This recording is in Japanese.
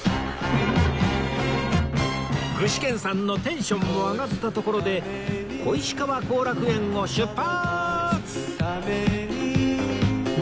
具志堅さんのテンションも上がったところで小石川後楽園を出発！